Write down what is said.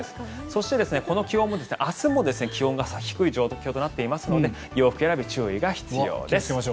そしてこの気温も明日も気温が低い状況となっていますので洋服選び、注意が必要です。